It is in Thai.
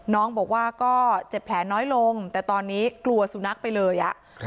น้องบอกว่าก็เจ็บแผลน้อยลงแต่ตอนนี้กลัวสุนัขไปเลย